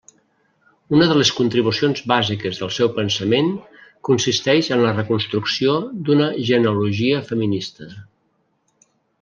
Una de les contribucions bàsiques del seu pensament consisteix en la reconstrucció d'una genealogia feminista.